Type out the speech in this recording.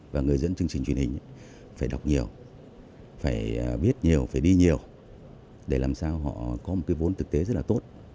và người dân chương trình truyền hình phải đọc nhiều phải biết nhiều phải đi nhiều để làm sao họ có một cái vốn thực tế rất là tốt